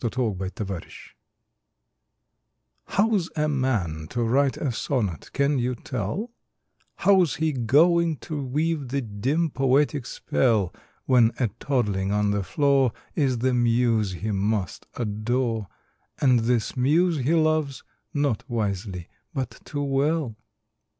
THE POET AND THE BABY How's a man to write a sonnet, can you tell, How's he going to weave the dim, poetic spell, When a toddling on the floor Is the muse he must adore, And this muse he loves, not wisely, but too well?